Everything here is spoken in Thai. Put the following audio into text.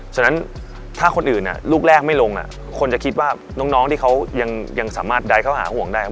ฉะนั้นถ้าคนอื่นลูกแรกไม่ลงคนจะคิดว่าน้องที่เขายังสามารถใดเข้าหาห่วงได้